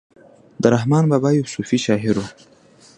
رحمان بابا يو صوفي شاعر وو.